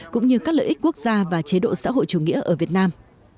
cũng như các lợi ích quốc gia và chế độ xã hội chủ nghĩa ở việt nam